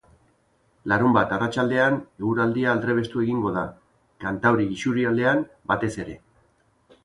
Larunbat arratsaldean eguraldia aldrebestu egingo da, kantauri isurialdean batez ere.